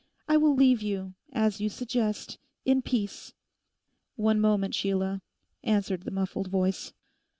I will leave you, as you suggest, in peace.' 'One moment, Sheila,' answered the muffled voice.